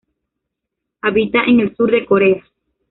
Habita en el sur de Corea.